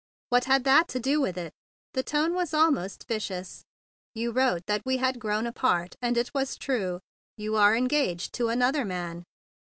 "What had that to do with it?" The tone was almost vicious. "You wrote that we had grown apart, and it was true. You are engaged to another man."